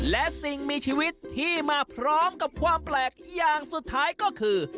และสิ่งมีชีวิตที่มาพร้อมกับความแปลกอย่างสุดท้ายก็คือ